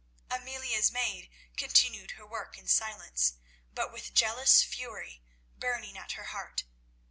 Amelia's maid continued her work in silence, but with jealous fury burning at her heart.